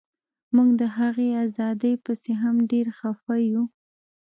موږ د هغې ازادۍ پسې هم ډیر خفه یو